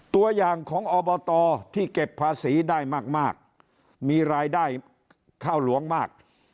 ตัวอย่างของอบตที่เก็บภาษีได้มากมีรายได้ข้าวหลวงมาก